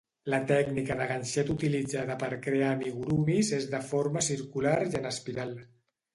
La tècnica de ganxet utilitzada per crear amigurumis és de forma circular i en espiral.